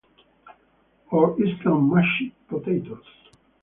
Or instant mashed potatoes.